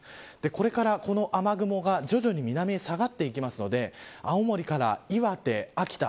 これからこの雨雲が徐々に南に下がっていきますので青森から岩手、秋田